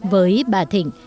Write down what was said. với bà thịnh